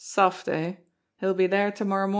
Soft, eh? He'll be dere to morrow mornin'.